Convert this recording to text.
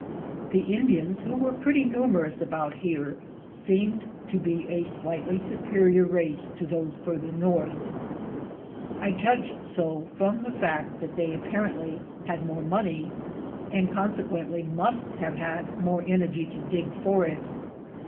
The Indians, who were pretty numerous about here, seemed to be a slightly superior race to those farther north. I judged so from the fact that they apparently had more money, and consequently must have had more energj' to dig for it.